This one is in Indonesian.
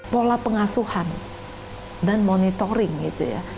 pola pengasuhan dan monitoring gitu ya